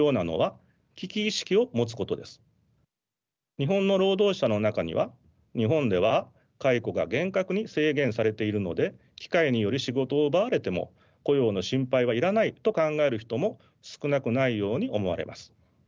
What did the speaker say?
日本の労働者の中には日本では解雇が厳格に制限されているので機械により仕事を奪われても雇用の心配はいらないと考える人も少なくないように思われます。